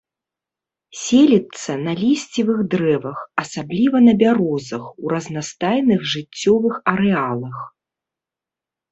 Селіцца на лісцевых дрэвах, асабліва на бярозах, ў разнастайных жыццёвых арэалах.